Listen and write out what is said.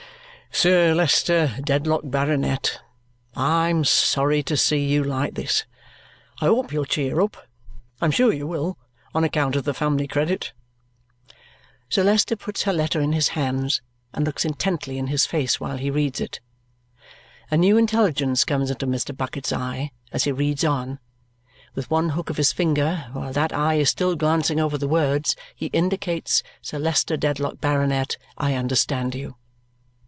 "Sir Leicester Dedlock, Baronet, I'm sorry to see you like this. I hope you'll cheer up. I'm sure you will, on account of the family credit." Sir Leicester puts her letter in his hands and looks intently in his face while he reads it. A new intelligence comes into Mr. Bucket's eye as he reads on; with one hook of his finger, while that eye is still glancing over the words, he indicates, "Sir Leicester Dedlock, Baronet, I understand you."